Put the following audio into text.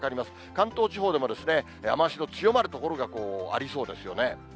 関東地方でもですね、雨足の強まる所がありそうですよね。